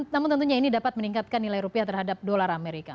namun tentunya ini dapat meningkatkan nilai rupiah terhadap dolar amerika